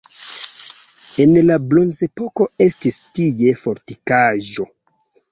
En la bronzepoko estis tie fortikaĵo.